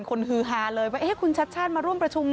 ฮือฮาเลยว่าคุณชัดชาติมาร่วมประชุม